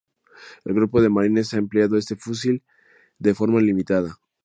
El Cuerpo de Marines ha empleado este fusil de forma limitada.